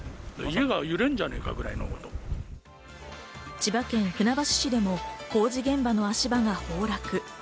千葉県船橋市でも工事現場の足場が崩落。